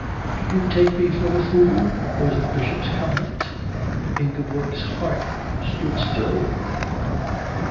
"Do you take me for a fool?" was the Bishop's comment. Ingeborg's heart stood still.